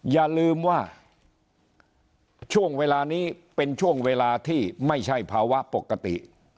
อย่าลืมว่าช่วงเวลานี้เป็นช่วงเวลาที่ไม่ใช่ภาวะปกติ